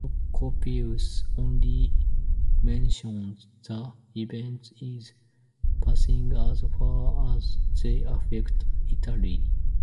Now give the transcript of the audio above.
Procopius only mentions the events in passing as far as they affect Italy.